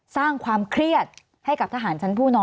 สวัสดีครับทุกคน